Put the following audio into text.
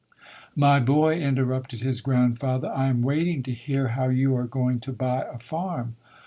"My boy", interrupted his grandfather, "I am waiting to hear how you are going to buy a farm."